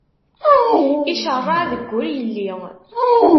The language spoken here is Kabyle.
Iceṛṛeɛ deg wur yelli.